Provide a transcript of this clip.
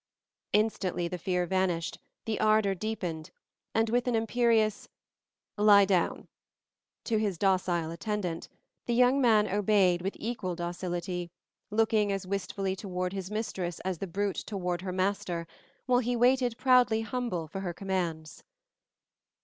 Instantly the fear vanished, the ardor deepened, and with an imperious "Lie down!" to his docile attendant, the young man obeyed with equal docility, looking as wistfully toward his mistress as the brute toward her master, while he waited proudly humble for her commands.